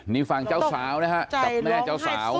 นี่ฟังเจ้าสาวนะครับจับแม่เจ้าสาว